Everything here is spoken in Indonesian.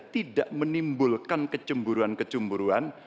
tiga tidak menimbulkan kecemburuan kecemburuan